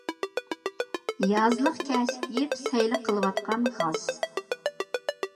يازلىق كەش كىيىپ سەيلە قىلىۋاتقان غاز.